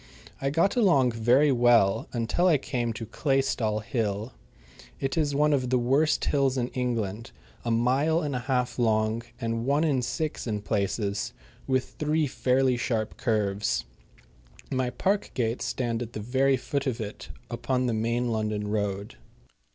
I got along very well until I came to Claystall Hill. It is one of the worst hills in England, a mile and a half long and one in six in places, with three fairly sharp curves. My park gates stand at the very foot of it upon the main London road.